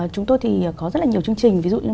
chúng tôi thì có rất là nhiều chương trình ví dụ như